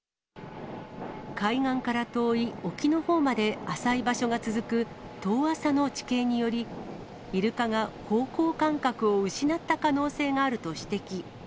海岸から遠い沖のほうまで浅い場所が続く遠浅の地形により、イルカが方向感覚を失った可能性があると指摘。